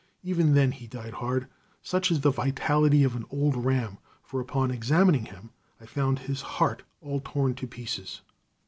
Even then he died hard. Such is the vitality of an old ram; for upon examining him I found his heart all torn to pieces.